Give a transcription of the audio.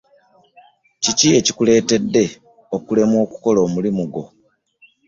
Kiki ekikuletedde okulemwa okukola omulimu gwo?